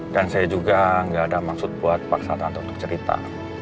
dan saya juga nggak ada maksud buat paksa tante untuk cerita